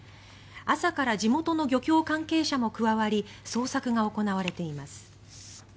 朝から地元の漁協関係者も加わり捜索が行われています。